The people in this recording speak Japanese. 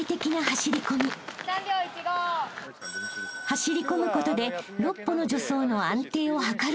［走り込むことで］